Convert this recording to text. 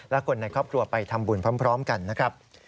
และคนในครอบครัวไปทำบุญพร้อมกันนะครับ